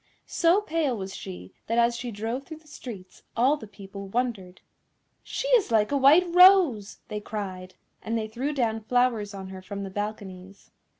So pale was she that as she drove through the streets all the people wondered. "She is like a white rose!" they cried, and they threw down flowers on her from the balconies.